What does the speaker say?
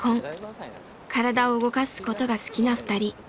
体を動かすことが好きな２人。